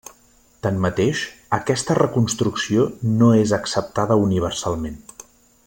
Tanmateix, aquesta reconstrucció no és acceptada universalment.